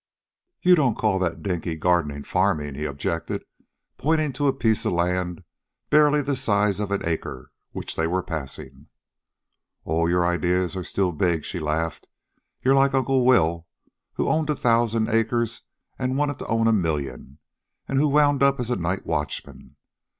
"You don't call that dinky gardening farming," he objected, pointing to a piece of land barely the size of an acre, which they were passing. "Oh, your ideas are still big," she laughed. "You're like Uncle Will, who owned thousands of acres and wanted to own a million, and who wound up as night watchman.